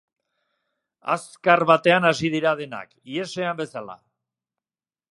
Azkar batean hasi dira denak, ihesean bezala.